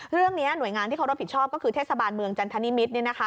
เรื่องนี้หน่วยงานที่เขารับผิดชอบก็คือเทศบาลเมืองจันทนิมิตร